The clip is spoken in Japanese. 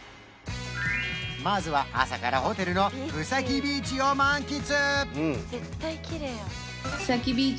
まずは朝からホテルのフサキビーチを満喫！